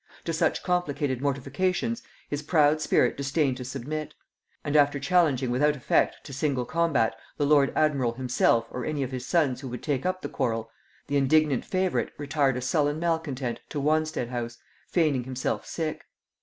To such complicated mortifications his proud spirit disdained to submit; and after challenging without effect to single combat the lord admiral himself or any of his sons who would take up the quarrel, the indignant favorite retired a sullen malcontent to Wanstead house, feigning himself sick.